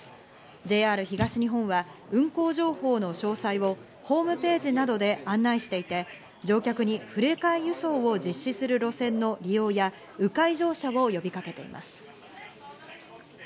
ＪＲ東日本は運行情報の詳細をホームページなどで案内していて、乗客に振り替え輸送を実施する路線の利用や、迂回乗車を呼びかけています。